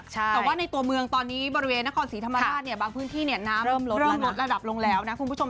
แต่ว่าในตัวเมืองตอนนี้บริเวณนาคอนสีธรรมดาบางพื้นที่เนี่ยน้ำเริ่มลดระดับลงแล้วนะคุณผู้ชม